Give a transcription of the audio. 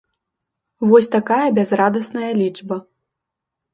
Вось такая бязрадасная лічба.